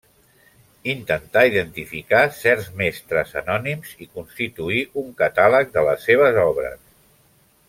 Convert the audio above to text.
Intentà identificar certs mestres anònims i constituir un catàleg de les seves obres.